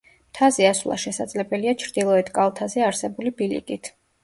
მთაზე ასვლა შესაძლებელია ჩრდილოეთ კალთაზე არსებული ბილიკით.